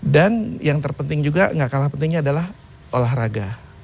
dan yang terpenting juga tidak kalah pentingnya adalah olahraga